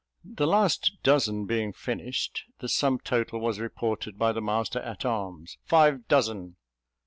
The last dozen being finished, the sum total was reported by the master at arms, "five dozen."